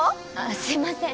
すいません